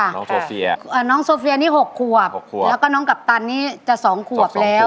น้องโซเฟียน้องโซเฟียนี่๖ขวบ๖ขวบแล้วก็น้องกัปตันนี่จะสองขวบแล้ว